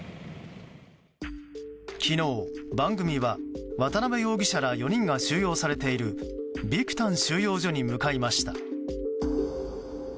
昨日、番組は渡邉容疑者ら４人が収容されているビクタン収容所に向かいました。